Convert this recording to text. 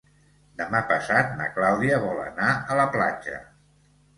Demà passat na Clàudia vol anar a la platja.